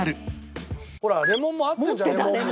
ほらレモンも合ってるじゃん。